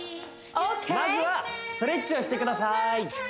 まずはストレッチをしてください